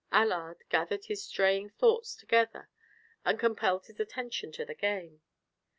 Allard gathered his straying thoughts together and compelled his attention to the game.